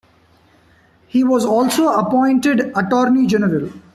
He was also appointed Attorney General.